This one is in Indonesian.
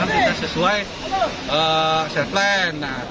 kita sesuai setelan